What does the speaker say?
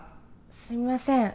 すみません